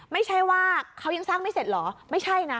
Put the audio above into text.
ไม่ใช่ว่าเขายังสร้างไม่เสร็จเหรอไม่ใช่นะ